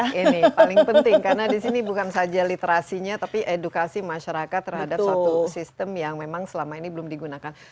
ini paling penting karena disini bukan saja literasinya tapi edukasi masyarakat terhadap satu sistem yang memang selama ini belum digunakan